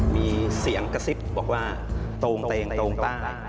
มีเสียงกระซิบบอกว่าโต่งเตงโต่งใต้